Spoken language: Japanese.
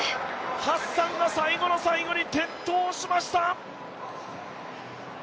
ハッサンが最後の最後に転倒しました。